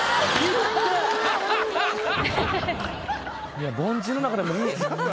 いや凡人の中でもいい。